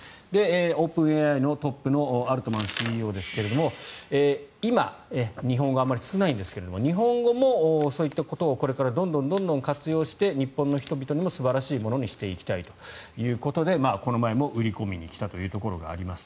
オープンＡＩ社のトップのアルトマンＣＥＯですが今、日本語あまり少ないんですけど日本語もそういったことをこれからどんどん活用して日本の人々にも素晴らしいものにしていきたいということでこの前も売り込みに来たというところがあります。